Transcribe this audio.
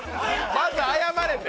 まず謝れって。